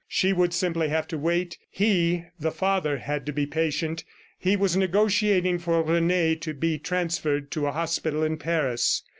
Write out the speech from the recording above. She would simply have to wait; he, the father, had to be patient. He was negotiating for Rene to be transferred to a hospital in Paris.